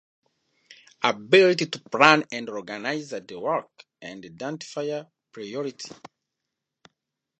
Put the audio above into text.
ability to plan and organize the work and identify priorities